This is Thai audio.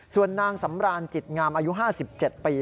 ส่วนนางสำรานจิตงามอายุ๕๗ปี